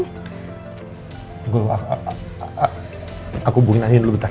tunggu aku hubungin andin dulu bentar